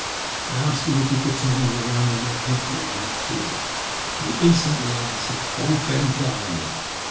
I asked him if he could tell me the name of my partner on that field, and he instantly answered '' Old Ben Garman."